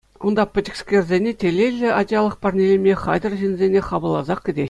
Унта пӗчӗкскерсене телейлӗ ачалӑх парнелеме хатӗр ҫынсене хапӑлласах кӗтеҫҫӗ.